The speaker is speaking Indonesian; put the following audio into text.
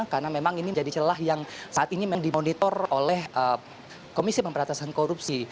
karena memang ini menjadi celah yang saat ini memang dimonitor oleh komisi pemperatasan korupsi